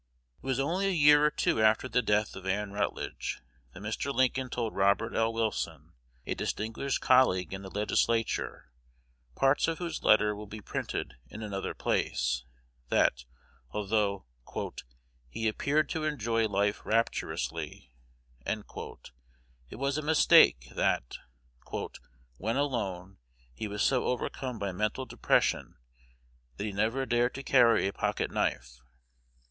'" It was only a year or two after the death of Ann Rutledge that Mr. Lincoln told Robert L. Wilson, a distinguished colleague in the Legislature, parts of whose letter will be printed in another place, that, although "he appeared to enjoy life rapturously," it was a mistake; that, "when alone, he was so overcome by mental depression, that he never dared to carry a pocket knife."